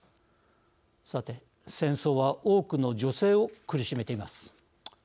さて、戦争は多くの女性を苦しめています。